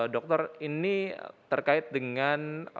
dr ini terkait dengan